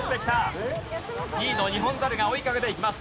２位のニホンザルが追いかけていきます。